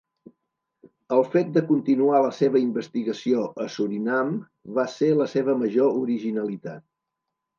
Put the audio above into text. El fet de continuar la seva investigació a Surinam va ser la seva major originalitat.